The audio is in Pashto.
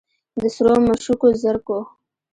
د سرو مشوکو زرکو